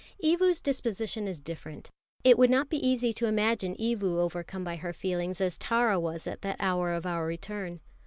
Evu's disposition is different. It would not be easy to imagine Evu overcome by her feelings as Tara was at that hour of our return.